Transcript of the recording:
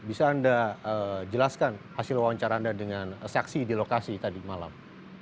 bisa anda jelaskan hasil wawancara anda dengan saksi di lokasi tadi malam